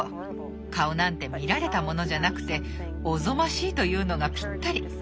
顔なんて見られたものじゃなくておぞましいというのがぴったり。